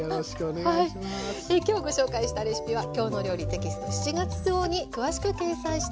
今日ご紹介したレシピは「きょうの料理」テキスト７月号に詳しく掲載しています。